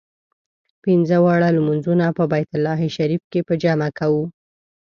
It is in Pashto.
پنځه واړه لمونځونه په بیت الله شریف کې په جمع کوو.